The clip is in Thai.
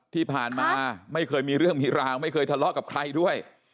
ที่ผ่านมาไม่เคยมีเรื่องมีราวไม่เคยทะเลาะกับใครด้วย